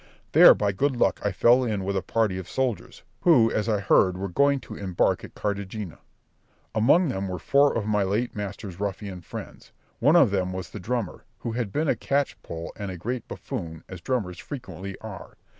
There by good luck I fell in with a party of soldiers, who, as I heard, were going to embark at Cartagena. Among them were four of my late master's ruffian friends; one of them was the drummer, who had been a catchpole and a great buffoon, as drummers frequently are.